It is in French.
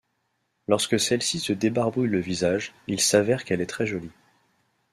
Lorsque celle-ci se débarbouille le visage, il s'avère qu'elle est très jolie.